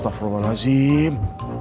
stokful allah nazim